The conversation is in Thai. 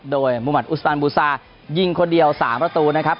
โดยมุมัติอุสตันบูซายิงคนเดียว๓ประตูนะครับ